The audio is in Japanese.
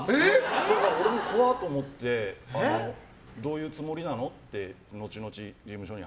俺も怖いと思ってどういうつもりなのって後々事務所に